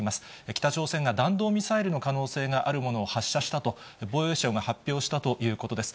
北朝鮮が弾道ミサイルの可能性があるものを発射したと、防衛省が発表したということです。